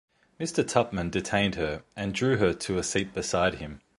Mr. Tupman detained her, and drew her to a seat beside him.